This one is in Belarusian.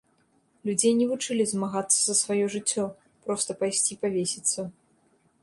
Людзей не вучылі змагацца за сваё жыццё, проста пайсці павесіцца.